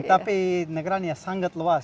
tapi negaranya sangat luas